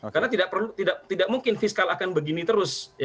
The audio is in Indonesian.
karena tidak mungkin fiskal akan begini terus